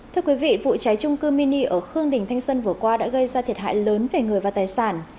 thưa quý vị vụ cháy trung cư mini ở khương đình thanh xuân vừa qua đã gây ra thiệt hại lớn về người và tài sản